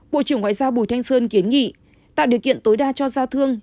bộ trưởng ngoại giao bùi thanh sơn kiến nghị tạo điều kiện tối đa cho giao thương